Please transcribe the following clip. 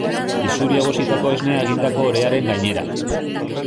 Isuri egositako esnea egindako orearen gainera.